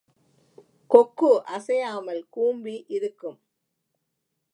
கொக்கு அசையாமல் கூம்பி இருக்கும்.